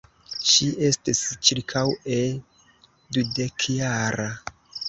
Ŝi estis ĉirkaŭe dudekjara.